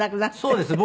そうですね。